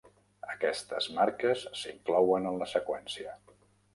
Aquestes marques s'inclouen en la seqüència.